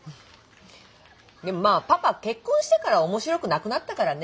でもまあパパ結婚してから面白くなくなったからね。